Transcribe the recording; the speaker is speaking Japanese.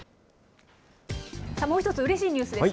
もう一つ、うれしいニュースです。